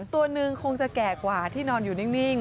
ตัวหนึ่งคงจะแก่กว่าที่นอนอยู่นิ่ง